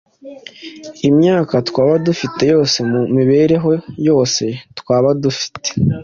Imyaka twaba dufite yose, mu mibereho yose twaba dufite,